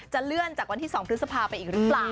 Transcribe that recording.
เลื่อนจากวันที่๒พฤษภาไปอีกหรือเปล่า